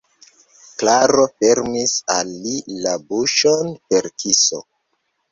Klaro fermis al li la buŝon per kiso.